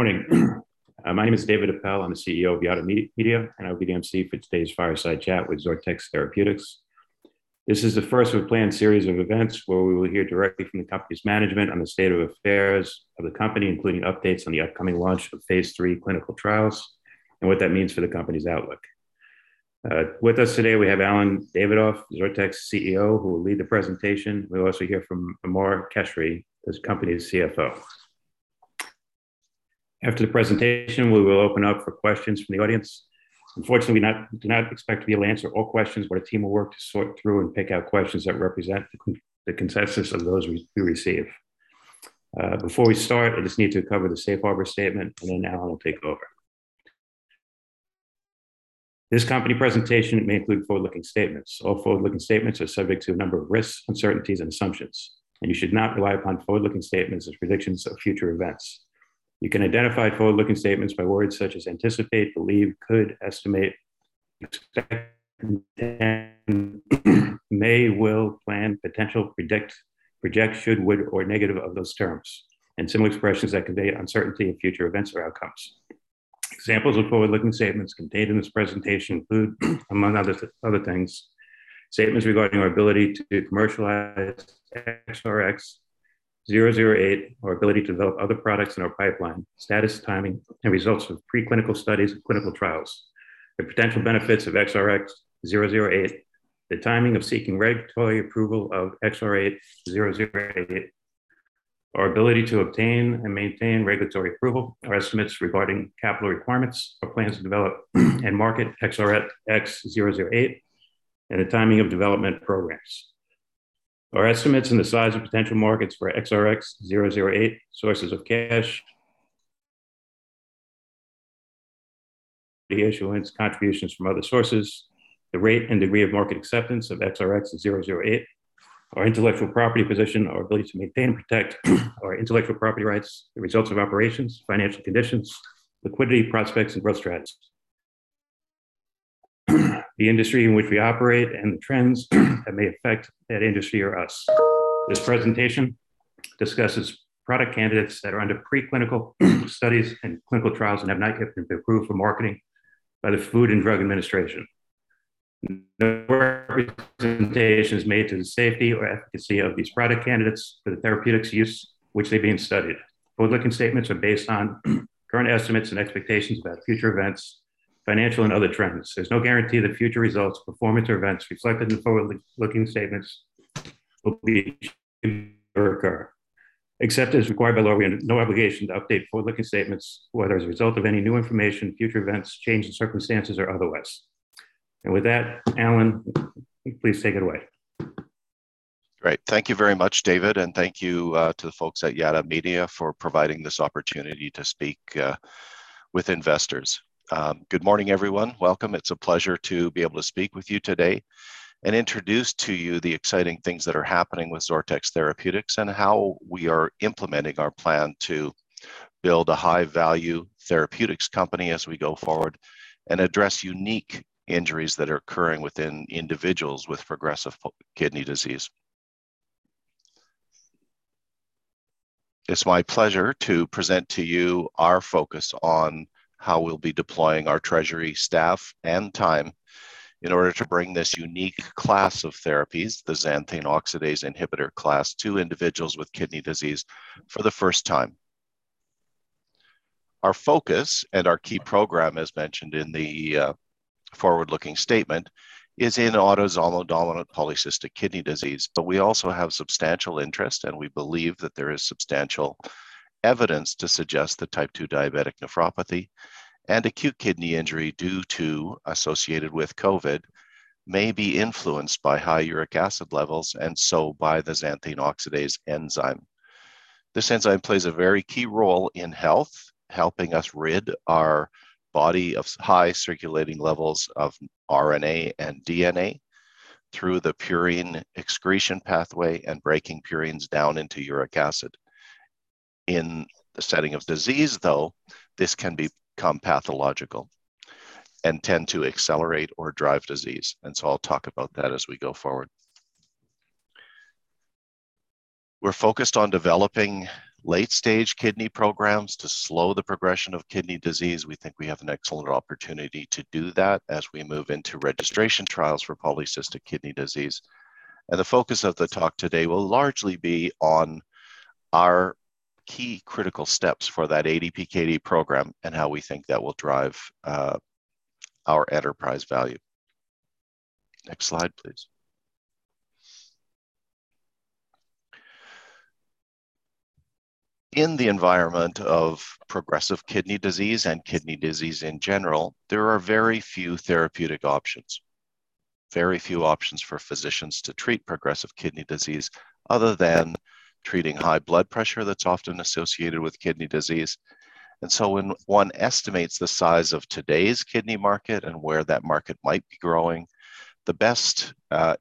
Morning. My name is David Appell. I'm the CEO of Yada Media, and I'll be the emcee for today's fireside chat with XORTX Therapeutics. This is the first of a planned series of events where we will hear directly from the company's management on the state of affairs of the company, including updates on the upcoming launch of phase III clinical trials and what that means for the company's outlook. With us today we have Allen Davidoff, XORTX's CEO, who will lead the presentation. We'll also hear from Amar Keshri, this company's CFO. After the presentation, we will open up for questions from the audience. Unfortunately, we do not expect to be able to answer all questions, but our team will work to sort through and pick out questions that represent the consensus of those we receive. Before we start, I just need to cover the safe harbor statement, and then Allen will take over. This company presentation may include forward-looking statements. All forward-looking statements are subject to a number of risks, uncertainties, and assumptions, and you should not rely upon forward-looking statements as predictions of future events. You can identify forward-looking statements by words such as anticipate, believe, could, estimate, expect, intend, may, will, plan, potential, predict, project, should, would, or negative of those terms, and similar expressions that convey uncertainty of future events or outcomes. Examples of forward-looking statements contained in this presentation include, among other things, statements regarding our ability to commercialize XRx-008, our ability to develop other products in our pipeline, status, timing, and results of preclinical studies and clinical trials, the potential benefits of XRx-008, the timing of seeking regulatory approval of XRx-008, our ability to obtain and maintain regulatory approval, our estimates regarding capital requirements, our plans to develop and market XRx-008, and the timing of development programs. Our estimates and the size of potential markets for XRx-008, sources of cash, the issuance contributions from other sources, the rate and degree of market acceptance of XRx-008, our intellectual property position, our ability to maintain and protect our intellectual property rights, the results of operations, financial conditions, liquidity, prospects, and growth strategies. The industry in which we operate and the trends that may affect that industry or us. This presentation discusses product candidates that are under preclinical studies and clinical trials and have not yet been approved for marketing by the Food and Drug Administration. No representations made to the safety or efficacy of these product candidates for the therapeutics use which they're being studied. Forward-looking statements are based on current estimates and expectations about future events, financial and other trends. There's no guarantee that future results, performance, or events reflected in forward-looking statements will be occur. Except as required by law, we have no obligation to update forward-looking statements whether as a result of any new information, future events, change in circumstances, or otherwise. With that, Allen, please take it away. Great. Thank you very much, David, and thank you to the folks at Yada Media for providing this opportunity to speak with investors. Good morning, everyone. Welcome. It's a pleasure to be able to speak with you today and introduce to you the exciting things that are happening with XORTX Therapeutics and how we are implementing our plan to build a high-value therapeutics company as we go forward and address unique injuries that are occurring within individuals with progressive kidney disease. It's my pleasure to present to you our focus on how we'll be deploying our treasury staff and time in order to bring this unique class of therapies, the xanthine oxidase inhibitor class, to individuals with kidney disease for the first time. Our focus and our key program, as mentioned in the forward-looking statement, is in autosomal dominant polycystic kidney disease. We also have substantial interest, and we believe that there is substantial evidence to suggest the type 2 diabetic nephropathy and acute kidney injury due to associated with COVID may be influenced by high uric acid levels by the xanthine oxidase enzyme. This enzyme plays a very key role in health, helping us rid our body of high circulating levels of RNA and DNA through the purine excretion pathway and breaking purines down into uric acid. In the setting of disease, though, this can become pathological and tend to accelerate or drive disease, I'll talk about that as we go forward. We're focused on developing late-stage kidney programs to slow the progression of kidney disease. We think we have an excellent opportunity to do that as we move into registration trials for polycystic kidney disease. The focus of the talk today will largely be on our key critical steps for that ADPKD program and how we think that will drive our enterprise value. Next slide, please. In the environment of progressive kidney disease and kidney disease in general, there are very few therapeutic options, very few options for physicians to treat progressive kidney disease other than treating high blood pressure that's often associated with kidney disease. When one estimates the size of today's kidney market and where that market might be growing, the best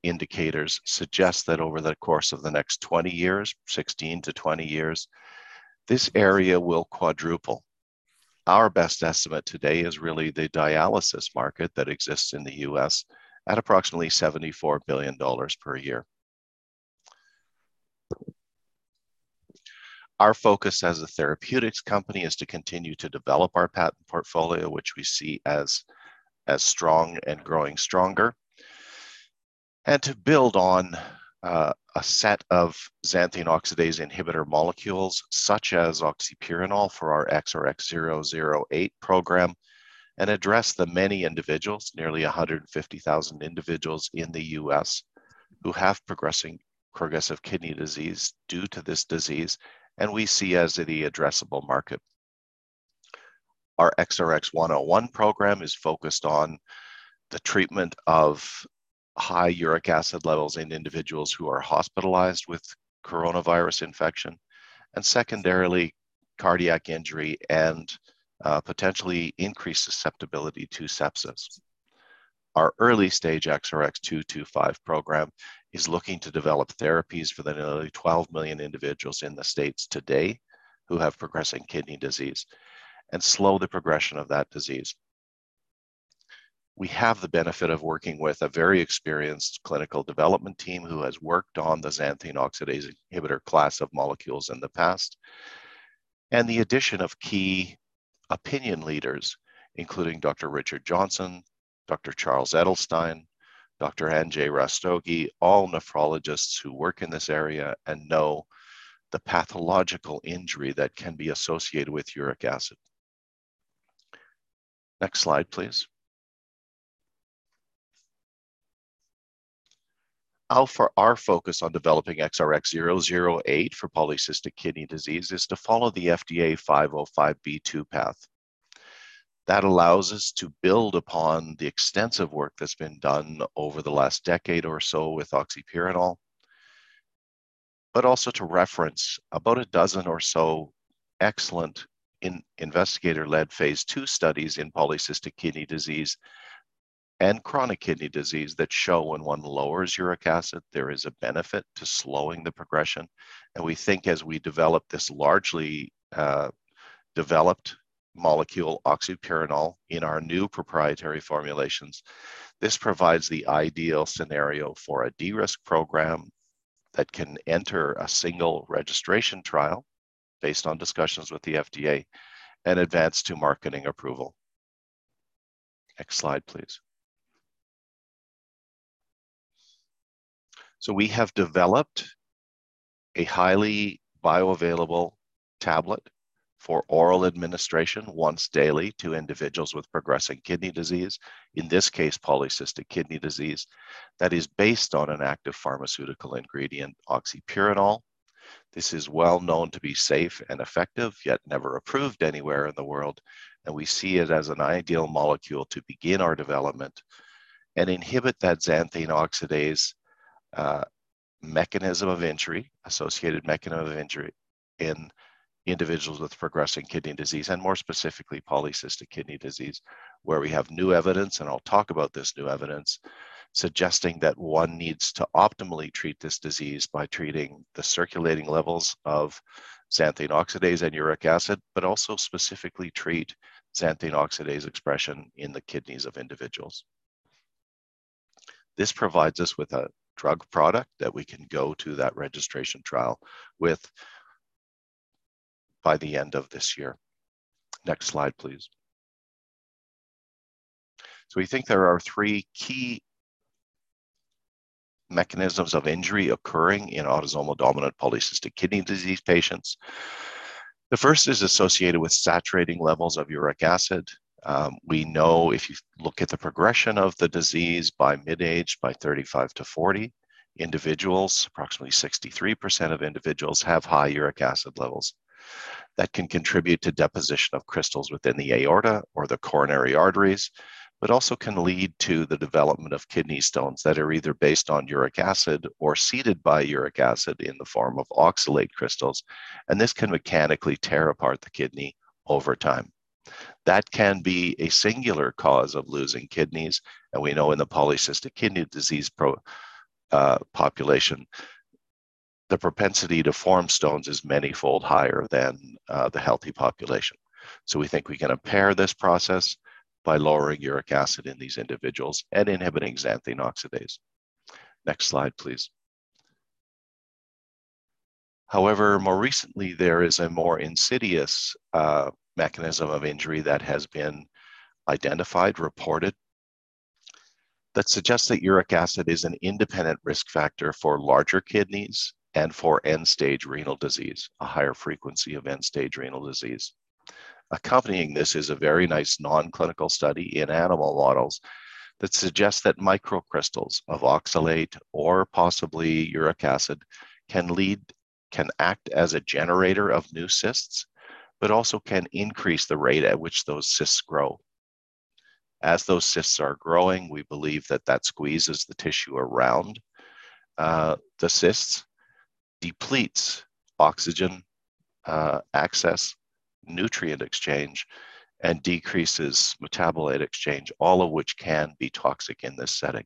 indicators suggest that over the course of the next 20 years, 16-20 years, this area will quadruple. Our best estimate today is really the dialysis market that exists in the U.S. at approximately $74 billion per year. Our focus as a therapeutics company is to continue to develop our patent portfolio, which we see as strong and growing stronger, and to build on a set of xanthine oxidase inhibitor molecules such as oxypurinol for our XRx-008 program, and address the many individuals, nearly 150,000 individuals in the U.S. who have progressive kidney disease due to this disease, and we see as the addressable market. Our XRx-101 program is focused on the treatment of high uric acid levels in individuals who are hospitalized with coronavirus infection and secondarily cardiac injury and potentially increased susceptibility to sepsis. Our early-stage XRx-225 program is looking to develop therapies for the nearly 12 million individuals in the U.S. today who have progressive kidney disease and slow the progression of that disease. We have the benefit of working with a very experienced clinical development team who has worked on the xanthine oxidase inhibitor class of molecules in the past, and the addition of key opinion leaders, including Dr. Richard J. Johnson, Dr. Charles Edelstein, Dr. Anjay Rastogi, all nephrologists who work in this area and know the pathological injury that can be associated with uric acid. Next slide, please. Our focus on developing XRx-008 for polycystic kidney disease is to follow the FDA 505(b)(2) path. That allows us to build upon the extensive work that has been done over the last decade or so with oxypurinol, but also to reference about a dozen or so excellent investigator-led phase II studies in polycystic kidney disease and chronic kidney disease that show when one lowers uric acid, there is a benefit to slowing the progression. We think as we develop this largely developed molecule oxypurinol in our new proprietary formulations, this provides the ideal scenario for a de-risk program that can enter a single registration trial based on discussions with the FDA and advance to marketing approval. Next slide, please. We have developed a highly bioavailable tablet for oral administration once daily to individuals with progressing kidney disease, in this case, polycystic kidney disease, that is based on an active pharmaceutical ingredient, oxypurinol. This is well known to be safe and effective, yet never approved anywhere in the world. We see it as an ideal molecule to begin our development and inhibit that xanthine oxidase mechanism of injury, associated mechanism of injury in individuals with progressing kidney disease, and more specifically polycystic kidney disease, where we have new evidence, and I'll talk about this new evidence, suggesting that one needs to optimally treat this disease by treating the circulating levels of xanthine oxidase and uric acid, but also specifically treat xanthine oxidase expression in the kidneys of individuals. This provides us with a drug product that we can go to that registration trial with by the end of this year. Next slide, please. We think there are three key mechanisms of injury occurring in autosomal dominant polycystic kidney disease patients. The first is associated with saturating levels of uric acid. We know if you look at the progression of the disease by mid-age, by 35-40, individuals, approximately 63% of individuals have high uric acid levels that can contribute to deposition of crystals within the aorta or the coronary arteries, also can lead to the development of kidney stones that are either based on uric acid or seeded by uric acid in the form of oxalate crystals, and this can mechanically tear apart the kidney over time. That can be a singular cause of losing kidneys, we know in the polycystic kidney disease population, the propensity to form stones is manyfold higher than the healthy population. We think we can impair this process by lowering uric acid in these individuals and inhibiting xanthine oxidase. Next slide, please. However, more recently, there is a more insidious mechanism of injury that has been identified, reported that suggests that uric acid is an independent risk factor for larger kidneys and for end-stage renal disease, a higher frequency of end-stage renal disease. Accompanying this is a very nice non-clinical study in animal models that suggests that microcrystals of oxalate or possibly uric acid can act as a generator of new cysts, but also can increase the rate at which those cysts grow. As those cysts are growing, we believe that that squeezes the tissue around the cysts, depletes oxygen access, nutrient exchange, and decreases metabolite exchange, all of which can be toxic in this setting.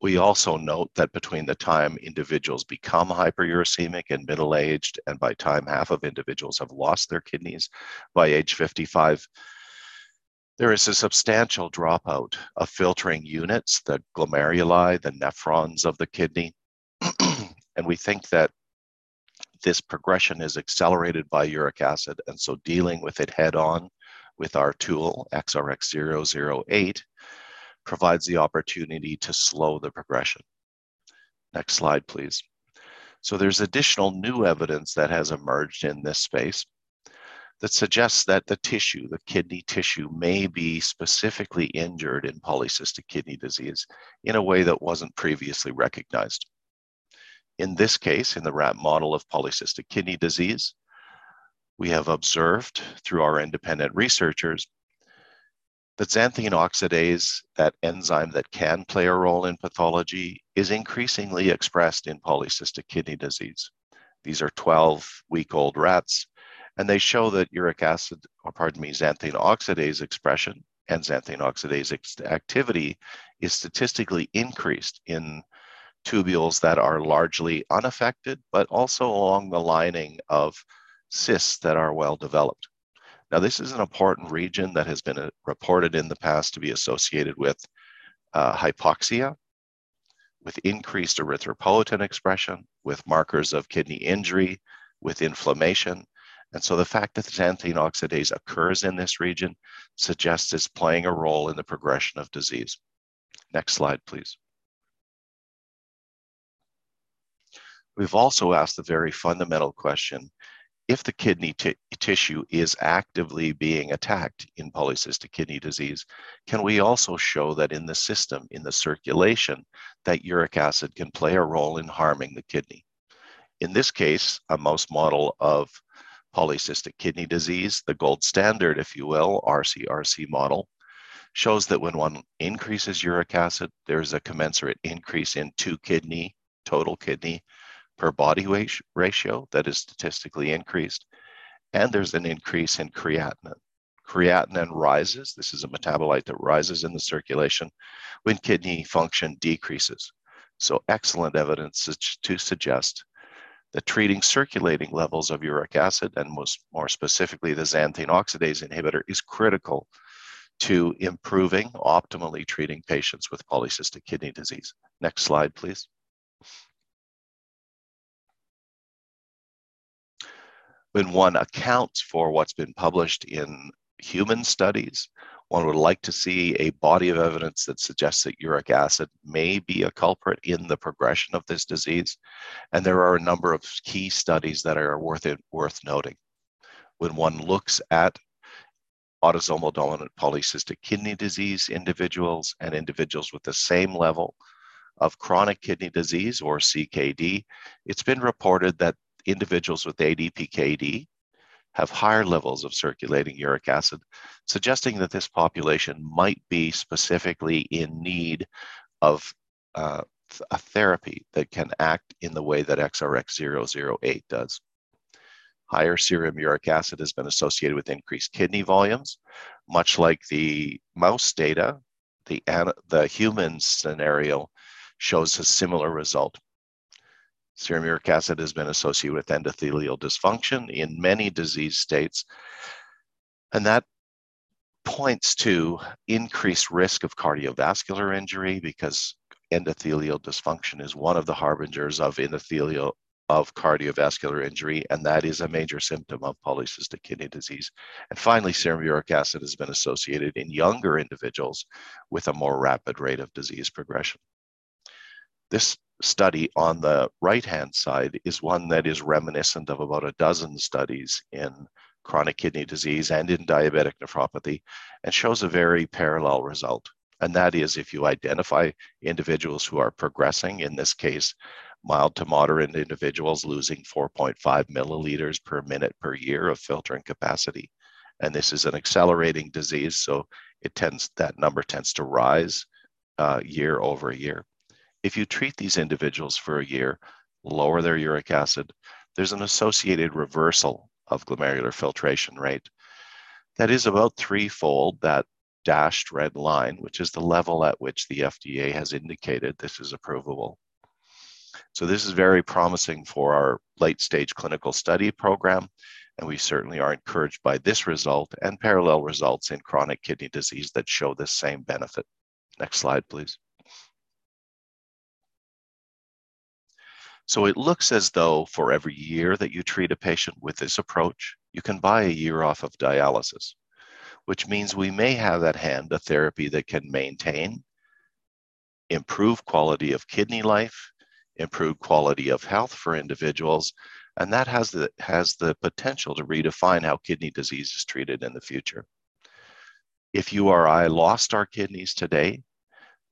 We also note that between the time individuals become hyperuricemic and middle-aged, and by time half of individuals have lost their kidneys by age 55. There is a substantial dropout of filtering units, the glomeruli, the nephrons of the kidney, and we think that this progression is accelerated by uric acid. Dealing with it head-on with our tool, XRx-008, provides the opportunity to slow the progression. Next slide, please. There's additional new evidence that has emerged in this space that suggests that the tissue, the kidney tissue, may be specifically injured in polycystic kidney disease in a way that wasn't previously recognized. In this case, in the rat model of polycystic kidney disease, we have observed through our independent researchers that xanthine oxidase, that enzyme that can play a role in pathology, is increasingly expressed in polycystic kidney disease. These are 12-week-old rats, they show that uric acid, or pardon me, xanthine oxidase expression and xanthine oxidase activity is statistically increased in tubules that are largely unaffected, but also along the lining of cysts that are well-developed. This is an important region that has been reported in the past to be associated with hypoxia, with increased erythropoietin expression, with markers of kidney injury, with inflammation. The fact that xanthine oxidase occurs in this region suggests it's playing a role in the progression of disease. Next slide, please. We've also asked the very fundamental question, if the kidney tissue is actively being attacked in polycystic kidney disease, can we also show that in the system, in the circulation, that uric acid can play a role in harming the kidney? In this case, a mouse model of polycystic kidney disease, the gold standard, if you will, Pkd1RC/RC mouse model, shows that when one increases uric acid, there's a commensurate increase in two kidney, total kidney per body ratio that is statistically increased, and there's an increase in creatinine. Creatinine rises. This is a metabolite that rises in the circulation when kidney function decreases. Excellent evidence to suggest that treating circulating levels of uric acid, and most more specifically, the xanthine oxidase inhibitor, is critical to improving, optimally treating patients with polycystic kidney disease. Next slide, please. When one accounts for what's been published in human studies, one would like to see a body of evidence that suggests that uric acid may be a culprit in the progression of this disease. There are a number of key studies that are worth it, worth noting. When one looks at autosomal dominant polycystic kidney disease individuals and individuals with the same level of chronic kidney disease or CKD, it's been reported that individuals with ADPKD have higher levels of circulating uric acid, suggesting that this population might be specifically in need of a therapy that can act in the way that XRx-008 does. Higher serum uric acid has been associated with increased kidney volumes. Much like the mouse data, the human scenario shows a similar result. Serum uric acid has been associated with endothelial dysfunction in many disease states. That points to increased risk of cardiovascular injury because endothelial dysfunction is one of the harbingers of cardiovascular injury. That is a major symptom of polycystic kidney disease. Finally, serum uric acid has been associated in younger individuals with a more rapid rate of disease progression. This study on the right-hand side is one that is reminiscent of about a dozen studies in chronic kidney disease and in diabetic nephropathy and shows a very parallel result. That is if you identify individuals who are progressing, in this case, mild to moderate individuals losing 4.5 milliliters per minute per year of filtering capacity. This is an accelerating disease, that number tends to rise, year-over-year. If you treat these individuals for a year, lower their uric acid, there's an associated reversal of glomerular filtration rate that is about threefold that dashed red line, which is the level at which the FDA has indicated this is approvable. This is very promising for our late-stage clinical study program, and we certainly are encouraged by this result and parallel results in chronic kidney disease that show the same benefit. Next slide, please. It looks as though for every year that you treat a patient with this approach, you can buy a year off of dialysis, which means we may have at hand a therapy that can maintain improved quality of kidney life, improved quality of health for individuals, and that has the potential to redefine how kidney disease is treated in the future. If you or I lost our kidneys today,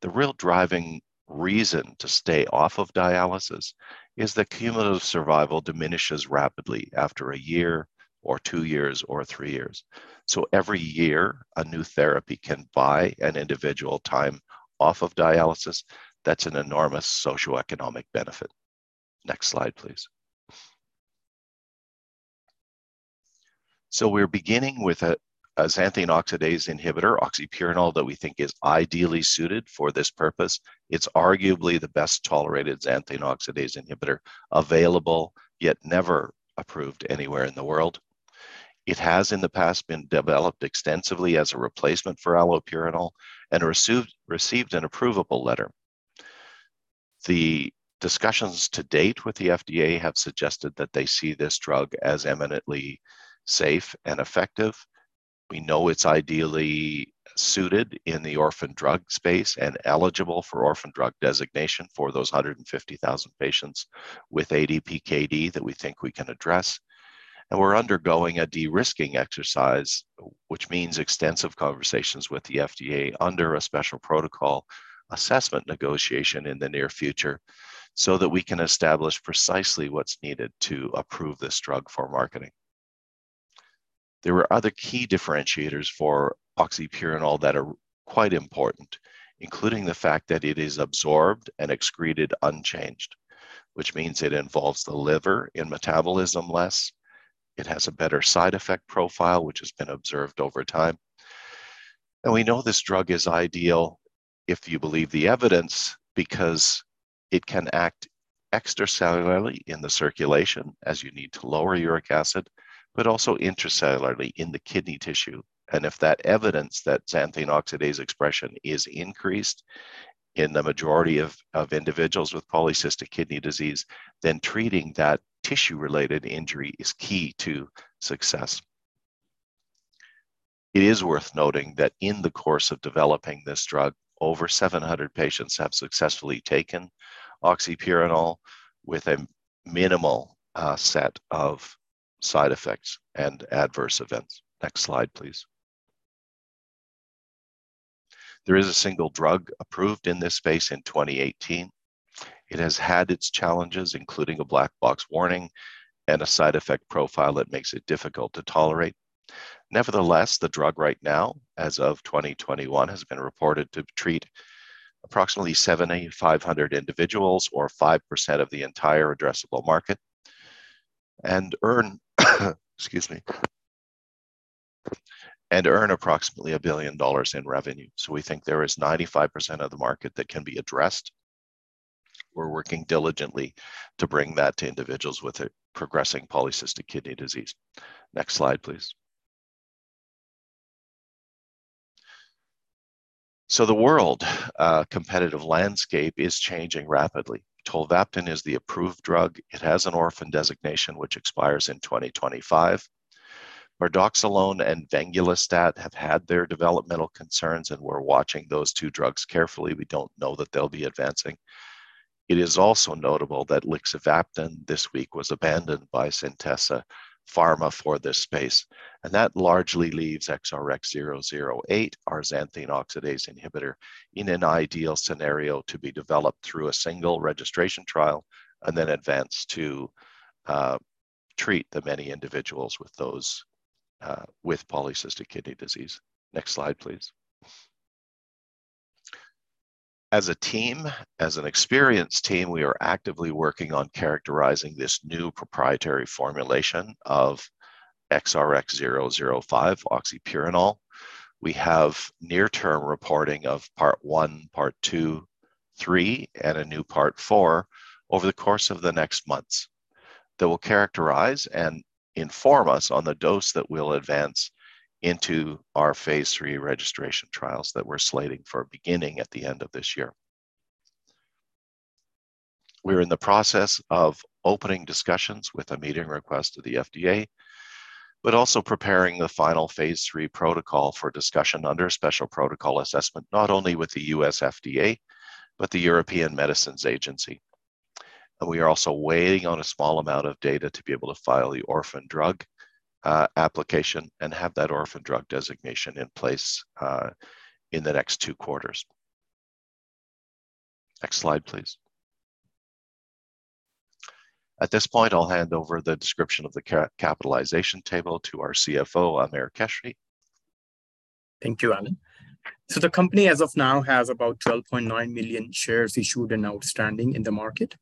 the real driving reason to stay off of dialysis is the cumulative survival diminishes rapidly after a year or 2 years or 3 years. Every year, a new therapy can buy an individual time off of dialysis. That's an enormous socioeconomic benefit. Next slide, please. We're beginning with a xanthine oxidase inhibitor, oxypurinol, that we think is ideally suited for this purpose. It's arguably the best-tolerated xanthine oxidase inhibitor available, yet never approved anywhere in the world. It has, in the past, been developed extensively as a replacement for allopurinol and received an approvable letter. The discussions to date with the FDA have suggested that they see this drug as eminently safe and effective. We know it's ideally suited in the orphan drug space and eligible for orphan drug designation for those 150,000 patients with ADPKD that we think we can address. We're undergoing a de-risking exercise, which means extensive conversations with the FDA under a special protocol assessment negotiation in the near future, so that we can establish precisely what's needed to approve this drug for marketing. There are other key differentiators for oxypurinol that are quite important, including the fact that it is absorbed and excreted unchanged, which means it involves the liver in metabolism less. It has a better side effect profile, which has been observed over time. We know this drug is ideal if you believe the evidence because it can act extracellularly in the circulation as you need to lower uric acid, but also intracellularly in the kidney tissue. If that evidence that xanthine oxidase expression is increased in the majority of individuals with polycystic kidney disease, then treating that tissue-related injury is key to success. It is worth noting that in the course of developing this drug, over 700 patients have successfully taken oxypurinol with a minimal set of side effects and adverse events. Next slide, please. There is a single drug approved in this space in 2018. It has had its challenges, including a black box warning and a side effect profile that makes it difficult to tolerate. Nevertheless, the drug right now, as of 2021, has been reported to treat approximately 7,500 individuals or 5% of the entire addressable market and earn, excuse me, approximately 1 billion dollars in revenue. We think there is 95% of the market that can be addressed. We're working diligently to bring that to individuals with a progressing polycystic kidney disease. Next slide, please. The world competitive landscape is changing rapidly. Tolvaptan is the approved drug. It has an orphan designation which expires in 2025. Mirdaxalone and venglustat have had their developmental concerns, and we're watching those two drugs carefully. We don't know that they'll be advancing. It is also notable that lixivaptan this week was abandoned by Centessa Pharma for this space. That largely leaves XRx-008, our xanthine oxidase inhibitor, in an ideal scenario to be developed through a single registration trial and then advance to treat the many individuals with those with polycystic kidney disease. Next slide, please. As a team, as an experienced team, we are actively working on characterizing this new proprietary formulation of XRx-008 oxypurinol. We have near term reporting of part one, part two, three, and a new part four over the course of the next months that will characterize and inform us on the dose that we'll advance into our phase III registration trials that we're slating for beginning at the end of this year. We're in the process of opening discussions with a meeting request to the FDA, but also preparing the final phase III protocol for discussion under a special protocol assessment, not only with the U.S. FDA, but the European Medicines Agency. We are also waiting on a small amount of data to be able to file the orphan drug application and have that orphan drug designation in place in the next two quarters. Next slide, please. At this point, I'll hand over the description of the capitalization table to our CFO, Amar Keshri. Thank you, Allen. The company as of now has about 12.9 million shares issued and outstanding in the market,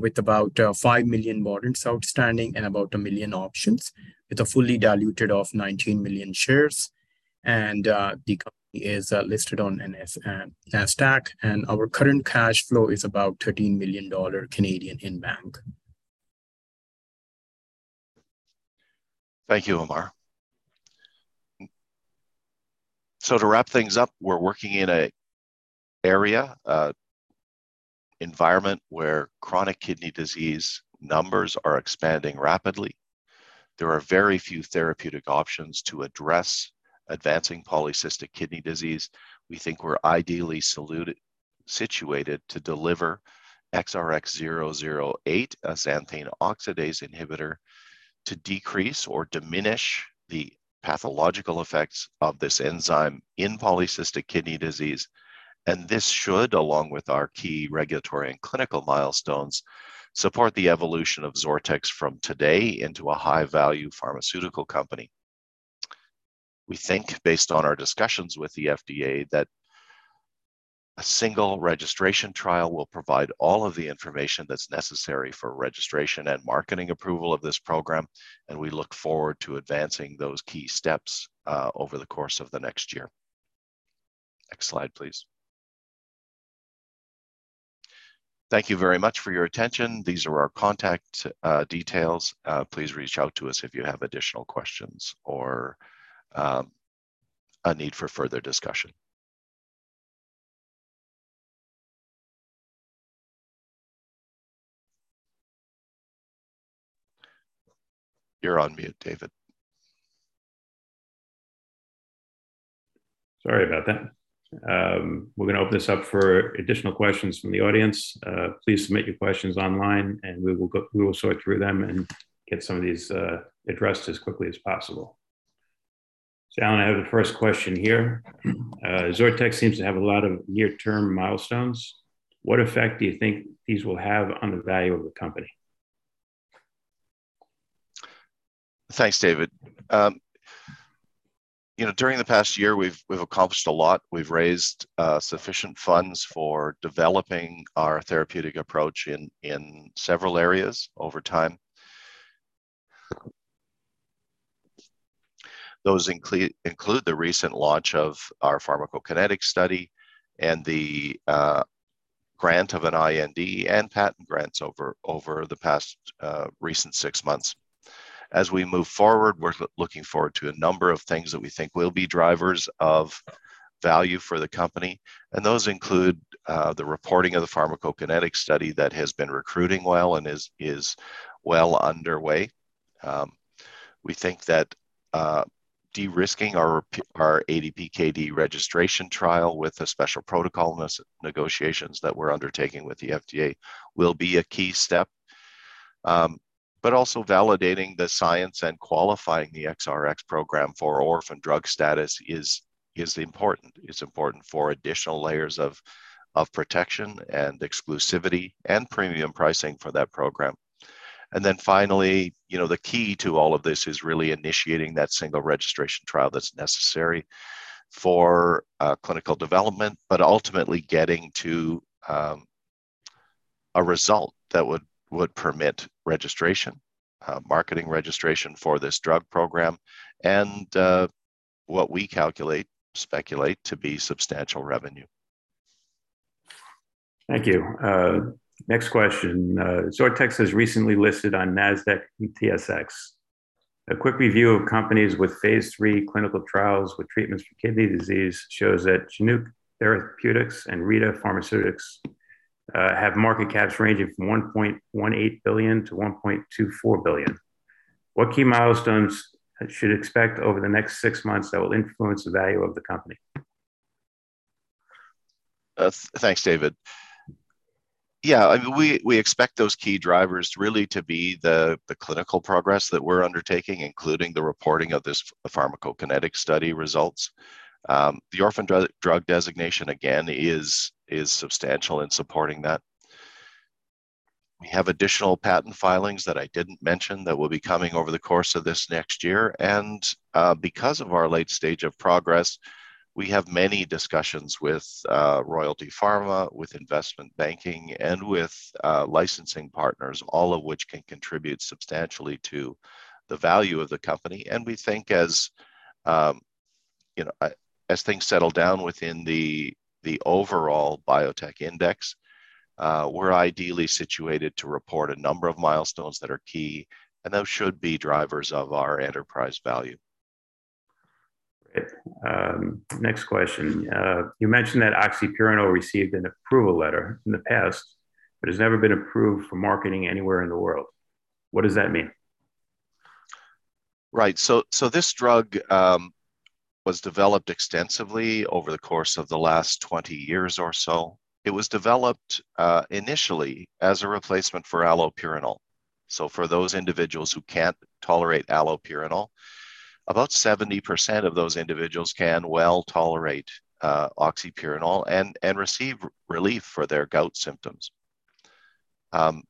with about 5 million warrants outstanding and about 1 million options, with a fully diluted of 19 million shares. The company is listed on NASDAQ, and our current cash flow is about 13 million Canadian dollars in bank. Thank you, Amar. To wrap things up, we're working in a area, environment where chronic kidney disease numbers are expanding rapidly. There are very few therapeutic options to address advancing polycystic kidney disease. We think we're ideally situated to deliver XRx-008, a xanthine oxidase inhibitor, to decrease or diminish the pathological effects of this enzyme in polycystic kidney disease. This should, along with our key regulatory and clinical milestones, support the evolution of XORTX from today into a high-value pharmaceutical company. We think, based on our discussions with the FDA, that a single registration trial will provide all of the information that's necessary for registration and marketing approval of this program, and we look forward to advancing those key steps over the course of the next year. Next slide, please. Thank you very much for your attention. These are our contact details. Please reach out to us if you have additional questions or a need for further discussion. You're on mute, David. Sorry about that. We're going to open this up for additional questions from the audience. Please submit your questions online, and we will sort through them and get some of these addressed as quickly as possible. Allen, I have the first question here. XORTX seems to have a lot of near-term milestones. What effect do you think these will have on the value of the company? Thanks, David. You know, during the past year, we've accomplished a lot. We've raised sufficient funds for developing our therapeutic approach in several areas over time. Those include the recent launch of our pharmacokinetic study and the grant of an IND and patent grants over the past recent six months. As we move forward, we're looking forward to a number of things that we think will be drivers of value for the company. Those include the reporting of the pharmacokinetic study that has been recruiting well and is well underway. We think that de-risking our ADPKD registration trial with a special protocol negotiations that we're undertaking with the FDA will be a key step. Also validating the science and qualifying the XRx program for orphan drug status is important. It's important for additional layers of protection and exclusivity and premium pricing for that program. Finally, you know, the key to all of this is really initiating that single registration trial that's necessary for clinical development, but ultimately getting to a result that would permit registration, marketing registration for this drug program and what we calculate, speculate to be substantial revenue. Thank you. Next question. XORTX has recently listed on NASDAQ and TSX. A quick review of companies with phase III clinical trials with treatments for kidney disease shows that Chinook Therapeutics and Reata Pharmaceuticals have market caps ranging from 1.18 billion to 1.24 billion. What key milestones should expect over the next six months that will influence the value of the company? Thanks, David. Yeah, I mean, we expect those key drivers really to be the clinical progress that we're undertaking, including the reporting of this pharmacokinetic study results. The orphan drug designation, again, is substantial in supporting that. We have additional patent filings that I didn't mention that will be coming over the course of this next year. Because of our late stage of progress, we have many discussions with Royalty Pharma, with investment banking, and with licensing partners, all of which can contribute substantially to the value of the company. We think as, you know, as things settle down within the overall biotech index, we're ideally situated to report a number of milestones that are key, and those should be drivers of our enterprise value. Great. Next question. You mentioned that oxypurinol received an approval letter in the past but has never been approved for marketing anywhere in the world. What does that mean? This drug was developed extensively over the course of the last 20 years or so. It was developed initially as a replacement for allopurinol, for those individuals who can't tolerate allopurinol. About 70% of those individuals can well tolerate oxypurinol and receive relief for their gout symptoms.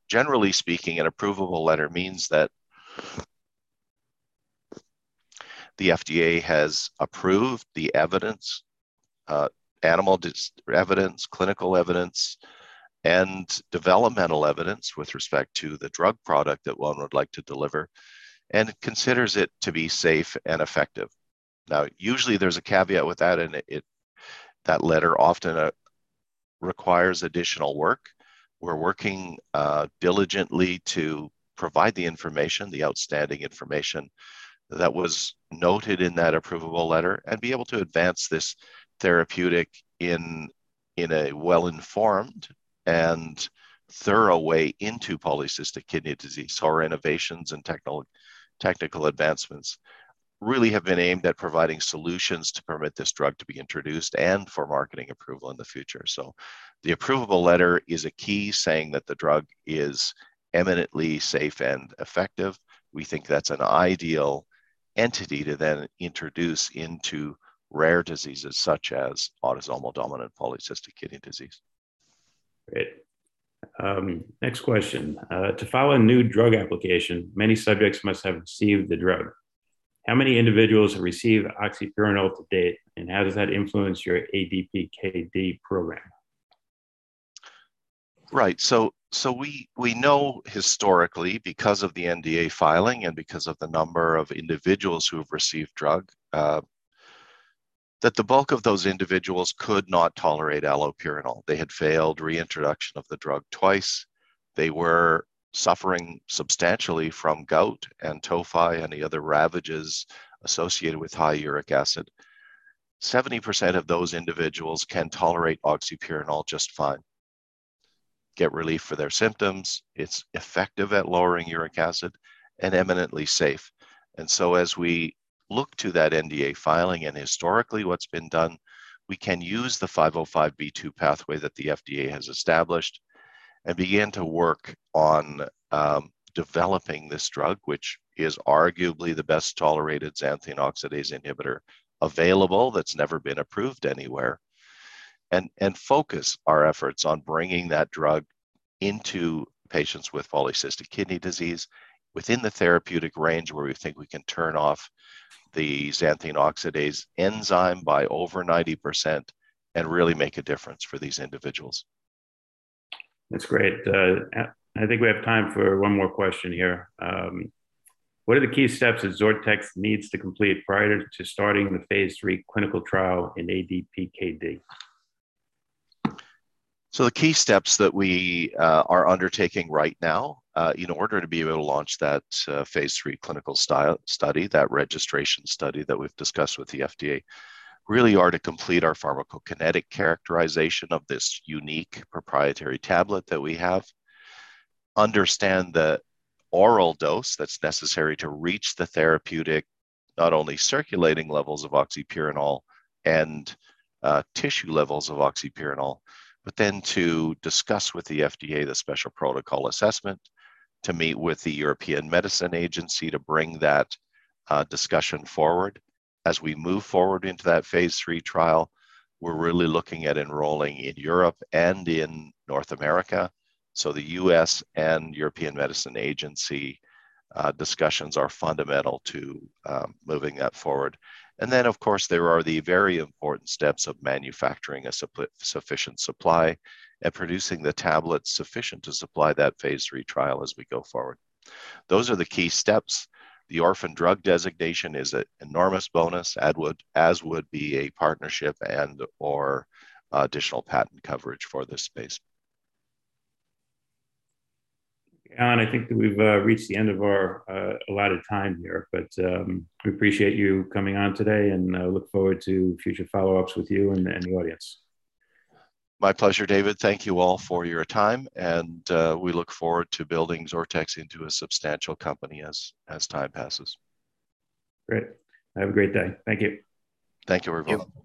Generally speaking, an approvable letter means that the FDA has approved the evidence, animal evidence, clinical evidence, and developmental evidence with respect to the drug product that one would like to deliver and considers it to be safe and effective. Usually there's a caveat with that letter often requires additional work. We're working diligently to provide the information, the outstanding information that was noted in that approvable letter and be able to advance this therapeutic in a well-informed and thorough way into polycystic kidney disease. Our innovations and technical advancements really have been aimed at providing solutions to permit this drug to be introduced and for marketing approval in the future. The approvable letter is a key saying that the drug is eminently safe and effective. We think that's an ideal entity to then introduce into rare diseases such as autosomal dominant polycystic kidney disease. Great. Next question. To file a new drug application, many subjects must have received the drug. How many individuals have received oxypurinol to date, and how does that influence your ADPKD program? Right. We know historically, because of the NDA filing and because of the number of individuals who have received drug, that the bulk of those individuals could not tolerate allopurinol. They had failed reintroduction of the drug twice. They were suffering substantially from gout and tophi and the other ravages associated with high uric acid. 70% of those individuals can tolerate oxypurinol just fine, get relief for their symptoms. It's effective at lowering uric acid and eminently safe. As we look to that NDA filing and historically what's been done, we can use the 505(b)(2) pathway that the FDA has established and begin to work on developing this drug, which is arguably the best tolerated xanthine oxidase inhibitor available that's never been approved anywhere, and focus our efforts on bringing that drug into patients with polycystic kidney disease within the therapeutic range where we think we can turn off the xanthine oxidase enzyme by over 90% and really make a difference for these individuals. That's great. I think we have time for one more question here. What are the key steps that XORTX needs to complete prior to starting the phase III clinical trial in ADPKD? The key steps that we are undertaking right now in order to be able to launch that phase III clinical style study, that registration study that we've discussed with the FDA, really are to complete our pharmacokinetic characterization of this unique proprietary tablet that we have, understand the oral dose that's necessary to reach the therapeutic, not only circulating levels of oxypurinol and tissue levels of oxypurinol, but to discuss with the FDA the special protocol assessment, to meet with the European Medicines Agency to bring that discussion forward. We move forward into that phase III trial, we're really looking at enrolling in Europe and in North America, so the U.S. and European Medicines Agency discussions are fundamental to moving that forward. Of course, there are the very important steps of manufacturing a sufficient supply and producing the tablets sufficient to supply that phase III trial as we go forward. Those are the key steps. The orphan drug designation is an enormous bonus, as would be a partnership and/or additional patent coverage for this space. I think that we've reached the end of our allotted time here. We appreciate you coming on today, and I look forward to future follow-ups with you and the audience. My pleasure, David. Thank you all for your time. We look forward to building XORTX into a substantial company as time passes. Great. Have a great day. Thank you. Thank you, everyone.